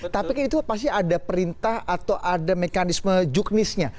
tapi kan itu pasti ada perintah atau ada mekanisme juknisnya